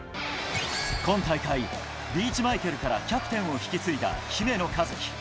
今大会、リーチマイケルからキャプテンを引き継いだ姫野和樹。